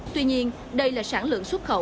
tuy nhiên đây là sản lượng xuất khẩu